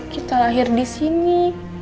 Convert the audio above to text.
kita lahir di sini